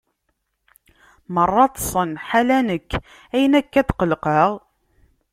Meṛṛa ṭṭsen, ḥala nekk, ayen akka tqelqeɣ?